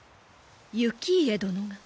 行家殿が。